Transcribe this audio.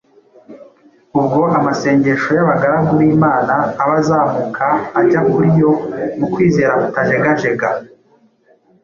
ubwo amasengesho y’abagaragu b’Imana aba azamuka ajya kuri yo mu kwizera kutajegajega,